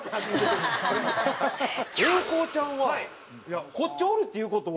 英孝ちゃんはこっちにおるっていう事は。